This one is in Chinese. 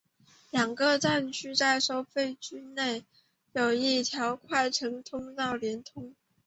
两个站台在付费区内有一条换乘通道连通。